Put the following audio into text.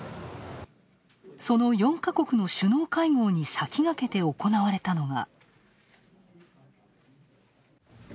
その４か国の首脳会合に先駆けて行われたのが。